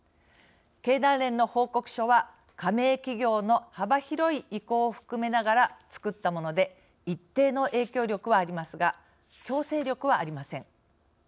経団連の報告書は、加盟企業の幅広い意向を含めながらつくったもので一定の影響力はありますが強制力はありません。